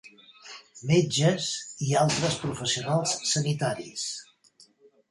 metges i altres professionals sanitaris.